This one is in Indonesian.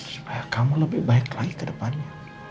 supaya kamu lebih baik lagi ke depannya